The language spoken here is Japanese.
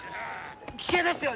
危険ですよ！